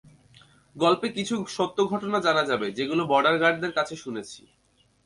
গল্পে কিছু সত্য ঘটনা জানা যাবে, যেগুলো বর্ডার গার্ডদের কাছে শুনেছি।